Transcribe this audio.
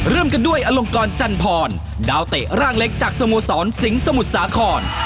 เริ่มกันด้วยอลงกรจันพรดาวเตะร่างเล็กจากสโมสรสิงห์สมุทรสาคร